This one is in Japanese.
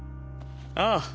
ああ。